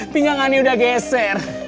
pinggangannya udah geser